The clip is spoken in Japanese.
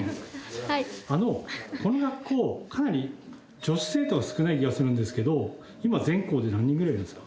あのこの学校かなり女子生徒が少ない気がするんですけど今全校で何人ぐらいいるんですか？